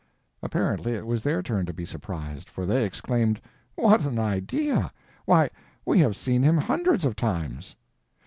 Apparently it was their turn to be surprised, for they exclaimed: "What an idea! Why, we have seen him hundreds of times."